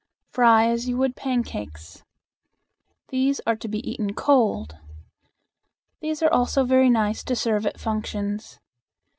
Fry as you would pancakes. These are to be eaten cold. These are also very nice to serve at functions.